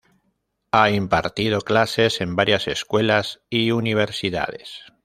Ha impartido clases en varias escuelas y universidades.